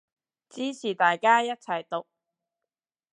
支持大家一齊毒